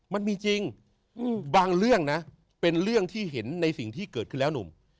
มันมีจริงบางเรื่องนะเป็นเรื่องที่เห็นในสิ่งที่เกิดขึ้นแล้วหนุ่ม